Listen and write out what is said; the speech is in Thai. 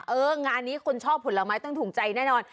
เอองานนี้คนชอบผลไม้ต้องถูกใจแน่นอน